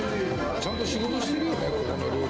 ちゃんと仕事してるよね、ここの料理、